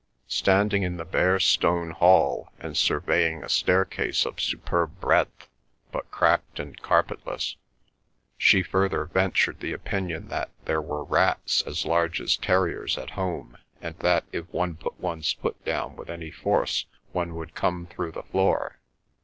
Standing in the bare stone hall, and surveying a staircase of superb breadth, but cracked and carpetless, she further ventured the opinion that there were rats, as large as terriers at home, and that if one put one's foot down with any force one would come through the floor.